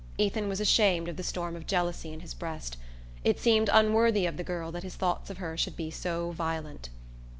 Ethan was ashamed of the storm of jealousy in his breast. It seemed unworthy of the girl that his thoughts of her should be so violent.